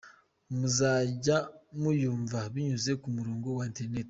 Muzajya muyumva binyuze ku murongo wa internet.